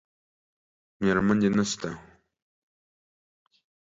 میرمن دې نشته؟